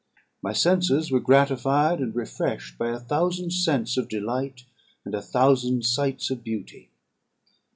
My senses were gratified and refreshed by a thousand scents of delight, and a thousand sights of beauty.